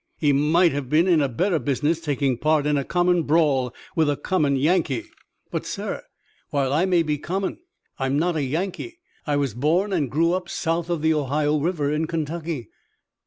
"He might have been in a better business, taking part in a common brawl with a common Yankee." "But, sir, while I may be common, I'm not a Yankee. I was born and grew up south of the Ohio River in Kentucky."